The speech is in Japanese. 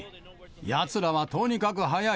やつらはとにかく速い。